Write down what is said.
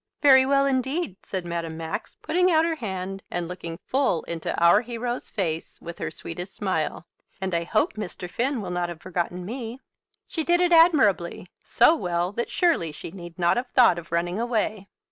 "Very well indeed," said Madame Max, putting out her hand and looking full into our hero's face with her sweetest smile. "And I hope Mr. Finn will not have forgotten me." She did it admirably so well that surely she need not have thought of running away.